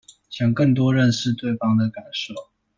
想更多認識對方的感受